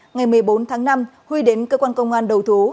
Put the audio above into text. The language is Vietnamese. ngày một mươi bốn tháng năm huy đến cơ quan công an đầu thú